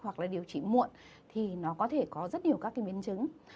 hoặc là điều trị muộn thì nó có thể có rất nhiều các cái biến chứng